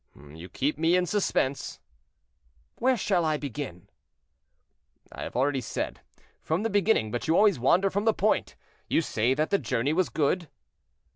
"You keep me in suspense." "Where shall I begin?" "I have already said, from the beginning; but you always wander from the point. You say that the journey was good?"